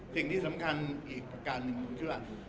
สิ่งที่สำคัญอีกประการหนึ่งผมเชื่อว่า